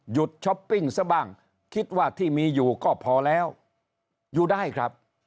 ช้อปปิ้งซะบ้างคิดว่าที่มีอยู่ก็พอแล้วอยู่ได้ครับ